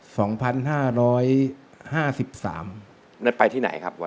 วันนั้นไปที่ไหนครับ